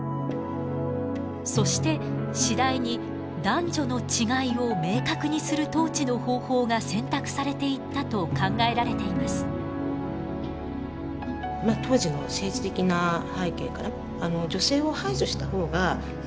そして次第に男女の違いを明確にする統治の方法が選択されていったと考えられています。